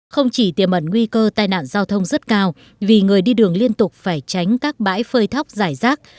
không chỉ tiềm ẩn nguy cơ tai nạn giao thông rất cao vì người đi đường liên tục phải tránh các bãi phơi thóc giải rác